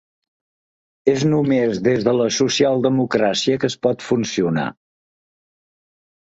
És només des de la socialdemocràcia que es pot funcionar.